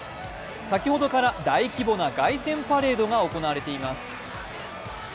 先ほどから大規模な凱旋パレードが行われています。